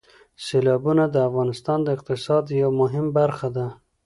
سیلابونه د افغانستان د اقتصاد یوه مهمه برخه ده.